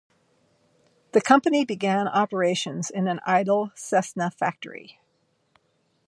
The company began operations in an idle Cessna factory.